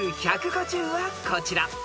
［ＩＱ１５０はこちら］